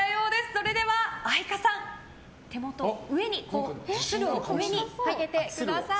それでは、愛花さん手元を鶴を上に上げてください。